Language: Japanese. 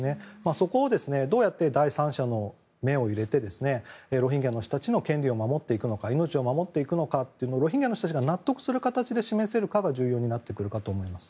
そこをどうやって第三者の目を入れてロヒンギャの人たちの権利を守っていくのか命を守っていくのかというのをロヒンギャの人たちが納得する形で示せるかが重要になってきます。